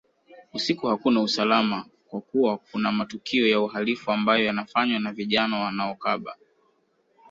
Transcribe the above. Usiku hakuna usalama kwa kuwa kuna matukio ya uhalifu ambayo yanafanywa na vijana wanaokaba